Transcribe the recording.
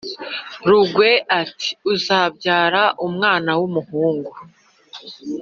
Rugwe ati: "Uzabyara umwana w’ umuhungu